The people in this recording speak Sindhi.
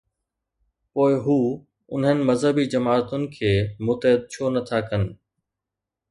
پوءِ هو انهن مذهبي جماعتن کي متحد ڇو نه ٿا ڪن؟